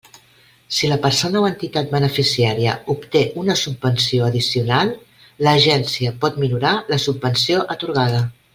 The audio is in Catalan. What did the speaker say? Si la persona o entitat beneficiària obté una subvenció addicional, l'Agència pot minorar la subvenció atorgada.